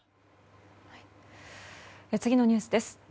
次のニュースです。